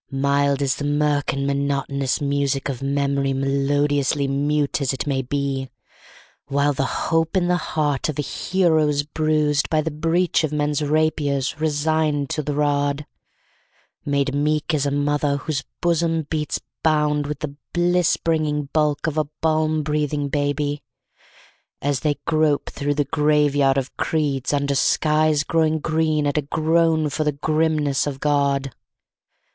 Mild is the mirk and monotonous music of memory, melodiously mute as it may be, While the hope in the heart of a hero is bruised by the breach of men's rapiers, resigned to the rod; Made meek as a mother whose bosom beats bound with the bliss bringing bulk of a balm breathing baby, As they grope through the graveyard of creeds, under skies growing green at a groan for the grimness of God.